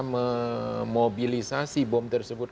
memobilisasi bom tersebut